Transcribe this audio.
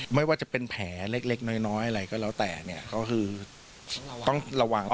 ไม่ว่าจะเป็นแผลเล็กน้อยอะไรก็แล้วแต่เนี่ยก็คือต้องระวัง